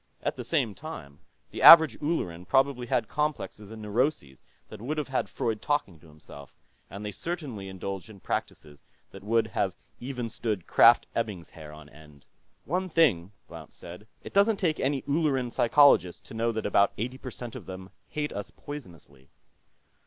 At the same time, the average Ulleran probably had complexes and neuroses that would have had Freud talking to himself, and they certainly indulged in practices that would have even stood Krafft Ebing's hair on end. "One thing," Blount said. "It doesn't take any Ulleran psychologist to know that about eighty percent of them hate us poisonously."